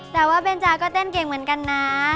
แต่ว่าเบนจาก็เต้นเก่งเหมือนกันนะ